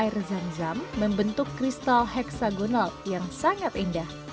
air zam zam membentuk kristal heksagonal yang sangat indah